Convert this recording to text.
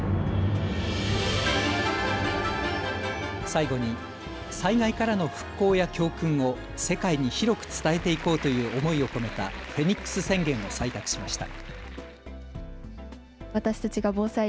最後に災害からの復興や教訓を世界に広く伝えていこうという思いを込めたフェニックス宣言を採択しました。